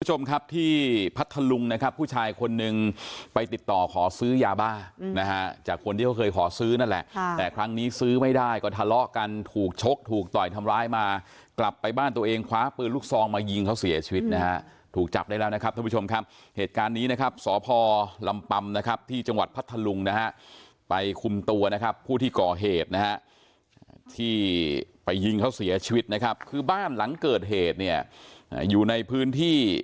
ทุกผู้ชมครับที่พัทธลุงนะครับผู้ชายคนหนึ่งไปติดต่อขอซื้อยาบ้านะฮะจากคนที่เขาเคยขอซื้อนั่นแหละแต่ครั้งนี้ซื้อไม่ได้ก็ทะเลาะกันถูกชกถูกต่อยทำร้ายมากลับไปบ้านตัวเองคว้าปืนลูกซองมายิงเขาเสียชีวิตนะฮะถูกจับได้แล้วนะครับทุกผู้ชมครับเหตุการณ์นี้นะครับสอพรลำปำนะครับที่จังหวัดพัทธ